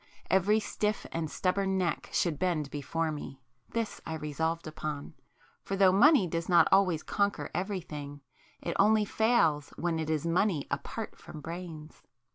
Every stiff and stubborn neck should bend before me;—this I resolved upon; for though money does not always conquer everything, it only fails when it is money apart from brains.